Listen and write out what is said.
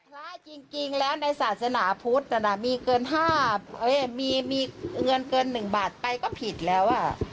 ค่ะจริงแล้วในศาสนาพุทธมีเงินเกิน๑บาทไปก็ผิดแล้ว